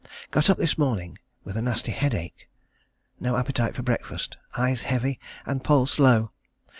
Got up this morning with a nasty headache. No appetite for breakfast. Eyes heavy, and pulse low.